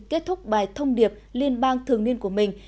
kết thúc bài thông điệp liên bang thường niên của mình